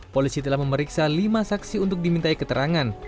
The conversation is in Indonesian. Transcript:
polisi telah memeriksa lima saksi untuk dimintai keterangan